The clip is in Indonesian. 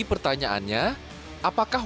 ada namanya sih